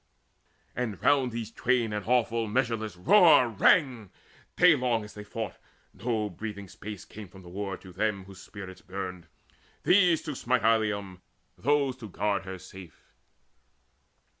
And round these twain an awful measureless roar Rang, daylong as they fought: no breathing space Came from the war to them whose spirits burned, These, to smite Ilium, those, to guard her safe.